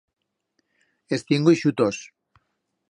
Es tiengo ixutos.